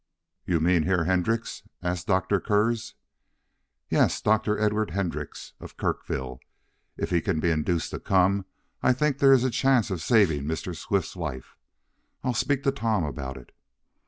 "You mean Herr Hendrix?" asked Dr. Kurtz. "Yes, Dr. Edward Hendrix, of Kirkville. If he can be induced to come I think there is a chance of saving Mr. Swift's life. I'll speak to Tom about it."